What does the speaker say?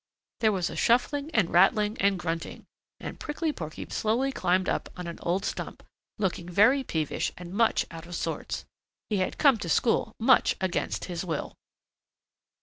There was a shuffling and rattling and grunting, and Prickly Porky climbed up on an old stump, looking very peevish and much out of sorts. He had come to school much against his will.